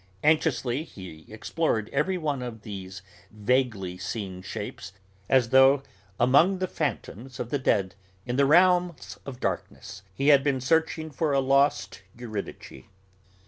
Anxiously he explored every one of these vaguely seen shapes, as though among the phantoms of the dead, in the realms of darkness, he had been searching for a lost Eurydice.